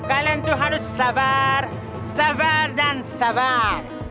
kalian tuh harus sabar sabar dan sabar